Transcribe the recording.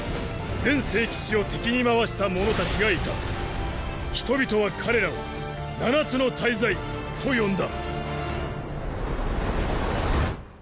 全聖騎士を敵に回した者たちがいた人々は彼らを七つの大罪と呼んだ・